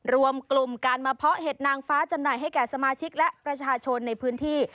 รวมกลุ่มการมาเพาะเห็ดนางฟ้าจำหน่ายให้แก่สมาชิกและประชาชนในพื้นที่